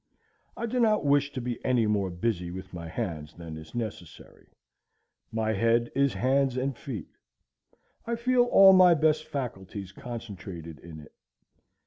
I do not wish to be any more busy with my hands than is necessary. My head is hands and feet. I feel all my best faculties concentrated in it.